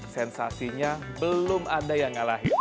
sensasinya belum ada yang ngalahin